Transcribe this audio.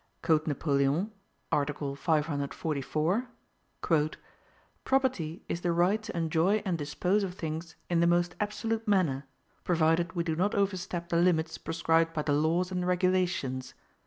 Code Napoleon, article 544: "Property is the right to enjoy and dispose of things in the most absolute manner, provided we do not overstep the limits prescribed by the laws and regulations."